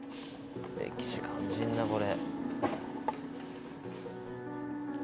「歴史感じるなこれ」